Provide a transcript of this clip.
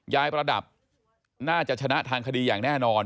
ประดับน่าจะชนะทางคดีอย่างแน่นอน